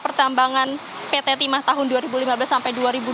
pertambangan pt timah tahun dua ribu lima belas sampai dua ribu dua puluh